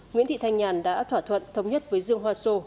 nguyễn thị thanh nhàn đã thỏa thuận thống nhất với dương hoa sô